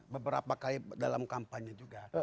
beberapa kali dalam kampanye juga